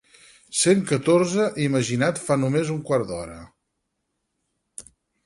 Cent catorze imaginat fa només un quart d'hora.